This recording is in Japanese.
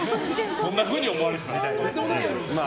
そんなふうに思われてたんですか。